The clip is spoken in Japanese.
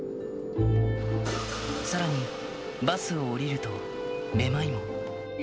さらに、バスを降りると、めまいも。